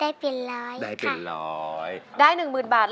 แล้วน้องใบบัวร้องได้หรือว่าร้องผิดครับ